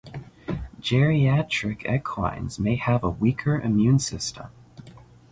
Geriatric equines may have a weaker immune system.